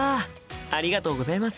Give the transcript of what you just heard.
ありがとうございます。